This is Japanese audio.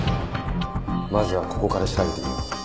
まずはここから調べてみよう。